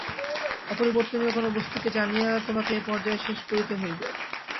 অপরিবর্তনীয় কোন বস্তুকে জানিয়া তোমাকে এই পর্যায়ের শেষ করিতেই হইবে।